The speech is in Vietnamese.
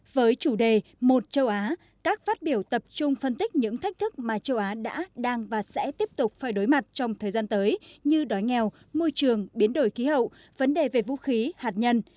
với chủ đề một châu á các phát biểu tập trung phân tích những thách thức mà châu á đã đang và sẽ tiếp tục phải đối mặt trong thời gian tới như đói nghèo môi trường biến đổi khí hậu vấn đề về vũ khí hạt nhân